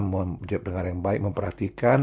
menjaga pendengar yang baik memperhatikan